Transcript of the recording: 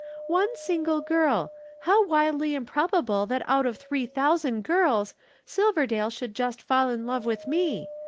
"One single girl. How wildly improbable that out of three thousand girls, Silverdale should just fall in love with me.